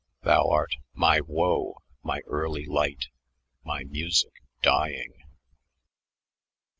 Thou art My woe, my early light, my music dying.'"